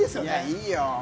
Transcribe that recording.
いいよ。